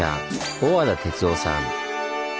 小和田哲男さん。